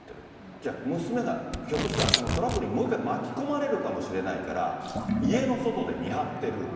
じゃあ、娘がひょっとしたらそのトラブルにもう一回巻き込まれるかもしれないから、家の外で見張ってる。